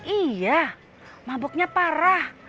iya mabuknya parah